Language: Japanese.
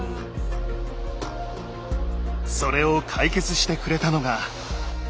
それを解決してくれたのが技術者の槇。